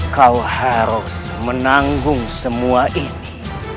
kau harus menanggung semua ini